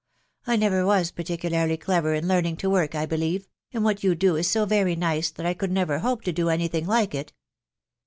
I never was particularly clever in learning to work, I believe, and what you do is so very nice that I could never hope to do any thing like it."